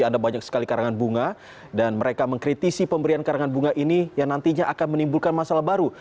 ada banyak sekali karangan bunga dan mereka mengkritisi pemberian karangan bunga ini yang nantinya akan menimbulkan masalah baru